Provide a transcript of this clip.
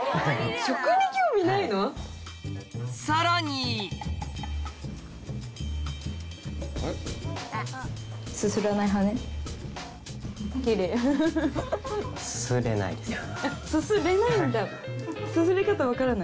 さらにすすれないんだ。